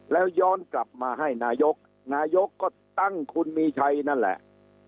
แล้วย้อนกลับมาให้นายกนายกก็ตั้งคุณมีชัยนั่นแหละ